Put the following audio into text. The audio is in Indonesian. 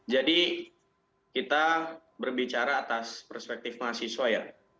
jadi kita berbicara atas perspektif mahasiswa ya